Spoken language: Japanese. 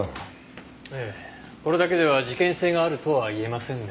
これだけでは事件性があるとは言えませんね。